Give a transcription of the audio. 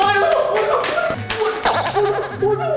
aduh aduh aduh